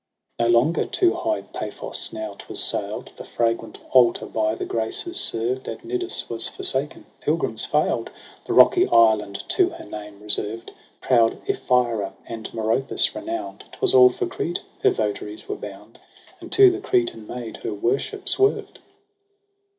10 No longer to high Paphos now 'twas sail'd j The fragrant altar by the Graces served At Cnidus was forsaken j pilgrims fail'd The rocky island to her name reserved. Proud Ephyra, and Meropis renown'd ; 'Twas all for Crete her votaries were bound. And to the Cretan maid her worship swerved.